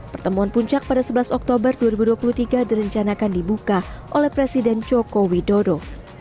pertemuan puncak pada sebelas oktober dua ribu dua puluh tiga direncanakan dibuka oleh presiden joko widodo